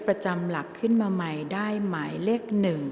ประจำหลักขึ้นมาใหม่ได้หมายเลข๑